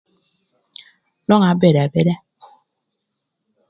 Nwongo abedo abeda.